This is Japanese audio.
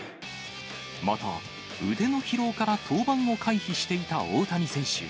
また、腕の疲労から登板を回避していた大谷選手。